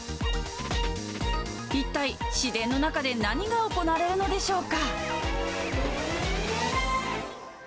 一体、市電の中で何が行われるのでしょうか。